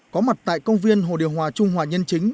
có mặt tại công viên hồ điều hòa trung hòa nhân chính